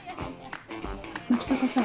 牧高さん